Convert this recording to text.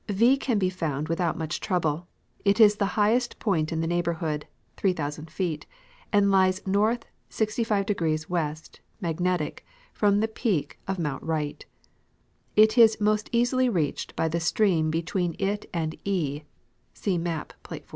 V can be found with out much trouble. It is the highest point in its neighborhood (3,000 feet), and lies N. 65° W., magnetic, from the peak of mount Wright. It is most easily reached by the stream between it and E (see map, plate 14).